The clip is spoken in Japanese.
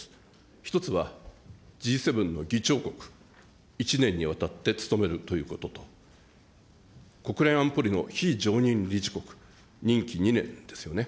１つはＧ７の議長国、１年にわたって務めるということと、国連安保理の非常任理事国、任期２年ですよね。